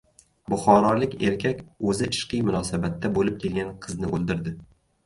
Buxorolik erkak o‘zi ishqiy munosabatda bo‘lib kelgan qizni o‘ldirdi